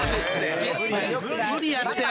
無理やって！